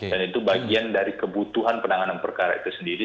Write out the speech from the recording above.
dan itu bagian dari kebutuhan penanganan perkara itu sendiri